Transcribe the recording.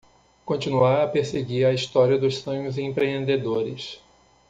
Continuar a perseguir a história dos sonhos empreendedores